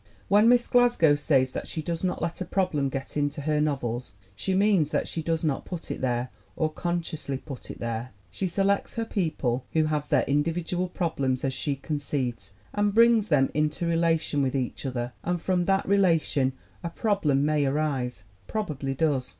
When Miss Glasgow says that she does not let a problem get into her novels, she means that she does not put it there, or consciously put it there. She selects her people, who have their individual problems as she concedes, and brings them into relation with each other and from that relation a problem may arise, probably does.